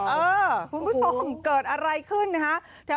เออคุณผู้ชมเกิดอะไรขึ้นนะฮะ